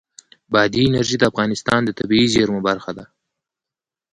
بادي انرژي د افغانستان د طبیعي زیرمو برخه ده.